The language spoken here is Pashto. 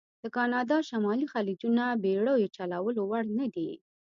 د کانادا شمالي خلیجونه بېړیو چلولو وړ نه دي.